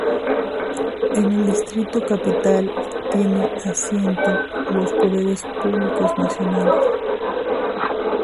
En el Distrito Capital tienen asiento los Poderes Públicos Nacionales.